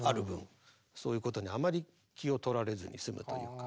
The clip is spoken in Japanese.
そういうことにあまり気をとられずに済むというか。